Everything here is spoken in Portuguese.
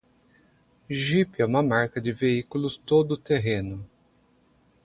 Jeep é uma marca de veículos todo-terreno.